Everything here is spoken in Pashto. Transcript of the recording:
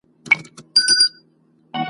فرعون او هامان !.